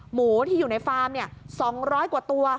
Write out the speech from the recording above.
หมูที่อยู่ในฟาร์ม๒๐๐กว่าตัว